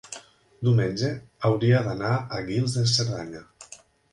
diumenge hauria d'anar a Guils de Cerdanya.